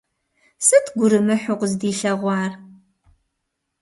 Сыт гурымыхьу къыздилъэгъуар?